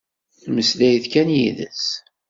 Mmeslayet kan yid-sen.